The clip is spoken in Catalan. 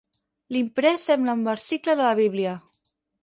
L'imprès sembla un versicle de la Bíblia.